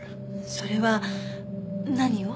それは何を？